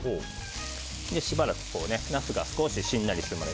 しばらくナスが少ししんなりするまで。